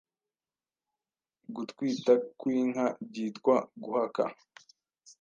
Gutwita kw’inka byitwa Guhaka